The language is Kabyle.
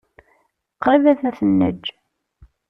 Qṛib ad ten-neǧǧ.